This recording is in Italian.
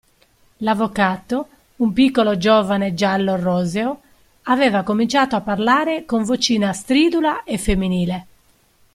L'avvocato, un piccolo giovane giallo-roseo, aveva cominciato a parlare con vocina stridula e femminile.